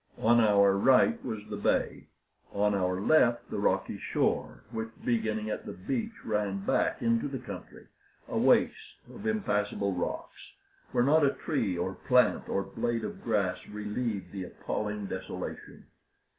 On our right was the bay; on our left the rocky shore, which, beginning at the beach, ran back into the country, a waste of impassable rocks, where not a tree or plant or blade of grass relieved the appalling desolation.